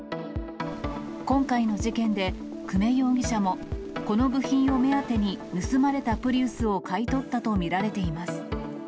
今回の事件で久米容疑者も、この部品を目当てに盗まれたプリウスを買い取ったと見られています。